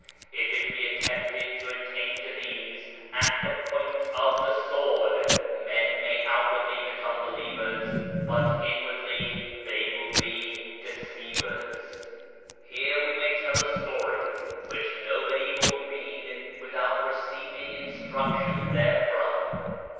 If it be attempted to attain to these, at the point of the sword, men S3 Digitized by Google MYSTERIOUS FORCES may outwardly become believers, but inwardly they will be deceivers. Here we may tell a story which nobody will read without receiving instruction therefrom.